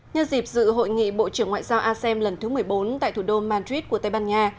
như dịp dự hội nghị bộ trưởng ngoại giao asem lần thứ một mươi bốn tại thủ đô madrid của tây ban nha